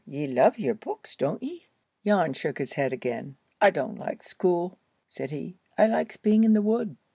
Ye love your books, don't ye?" Jan shook his head again. "I don't like school," said he, "I likes being in the wood."